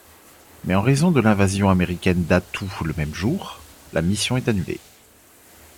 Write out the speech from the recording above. Mais en raison de l'invasion américaine d'Attu le même jour, la mission est annulée.